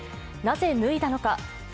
なぜ脱いだのか。